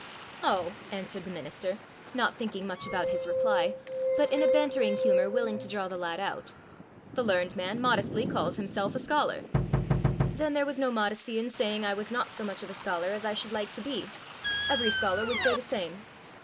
"Oh!" answered the minister, not thinking much about his reply, but in a bantering humour willing to draw the lad out, "the learned man modestly calls himself a scholar." "Then there was no modesty in saying I was not so much of a scholar as I should like to be; every scholar would say the same."